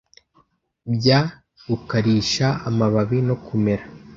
Bya gukarisha amababi no kumera;